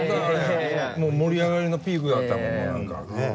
もう盛り上がりのピークだったもの何か。